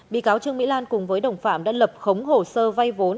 bị cáo trương mỹ lan cùng với đồng phạm đã lập khống hồ sơ vay vốn